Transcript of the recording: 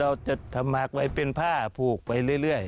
เราจะทำมาเป็นผ้าผูกไว้เรื่อย